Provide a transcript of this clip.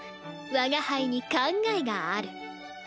我が輩に考えがある。